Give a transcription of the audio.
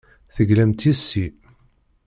Teglamt yes-i.